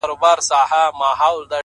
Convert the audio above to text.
• د ژوند دوهم جنم دې حد ته رسولی يمه،